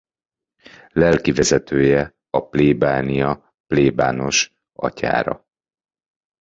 Lelki vezetője a plébánia plébános atyára.